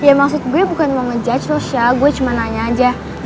ya maksud gue bukan mau ngejudge sosial gue cuma nanya aja